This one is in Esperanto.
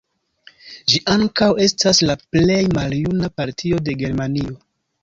Ĝi ankaŭ estas la plej maljuna partio de Germanio.